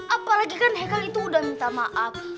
apalagi kan hekal itu udah minta maaf